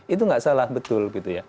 itu tidak salah betul